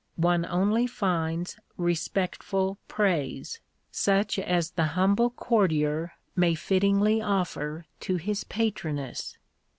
one only finds respectful praise, such as the humble courtier may fittingly offer to his patroness.